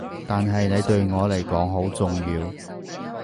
但係你對我嚟講好重要